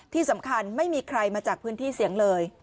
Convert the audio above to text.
ที่สำคัญไม่มีใครมาจากพื้นที่เสี่ยงเลย